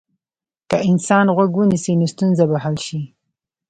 که انسان غوږ ونیسي، نو ستونزه به حل شي.